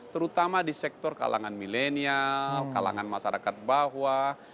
terutama di sektor kalangan milenial kalangan masyarakat bawah